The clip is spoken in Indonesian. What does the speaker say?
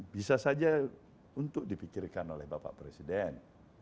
bisa saja untuk dipikirkan oleh bapak presiden